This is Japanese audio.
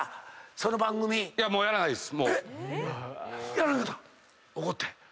やらなかった⁉怒って。